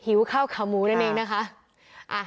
ข้าวขาหมูนั่นเองนะคะ